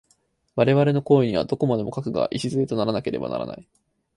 我々の行為には、どこまでも過去が基とならなければならない。